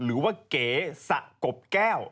หรือว่าเก๋สะกบแก้ว